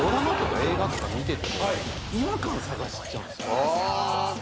映画とか見てても違和感探しちゃうんですよ。